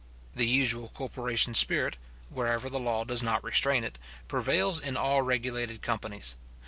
The usual corporation spirit, wherever the law does not restrain it, prevails in all regulated companies.